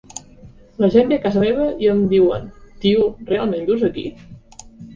La gent ve a casa meva i em diuen, 'Tio, realment vius aquí?'